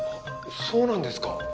そうなんですか。